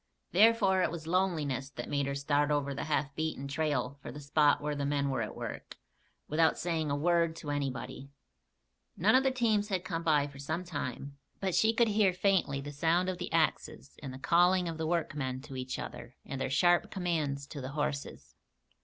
Therefore it was loneliness that made her start over the half beaten trail for the spot where the men were at work, without saying a word to anybody. None of the teams had come by for some time; but she could hear faintly the sound of the axes and the calling of the workmen to each other and their sharp commands to the horses.